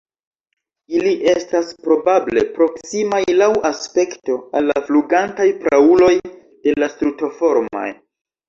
Ili estas probable proksimaj laŭ aspekto al la flugantaj prauloj de la Strutoformaj.